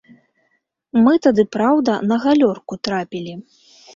Мы тады, праўда, на галёрку трапілі.